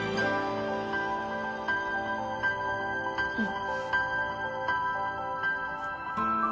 うん。